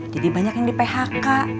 jadi banyak yang di phk